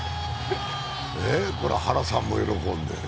原さんも喜んでる。